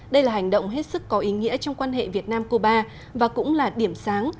đây là hành động hết sức có ý nghĩa trong quan hệ việt nam cuba và cũng là điểm sáng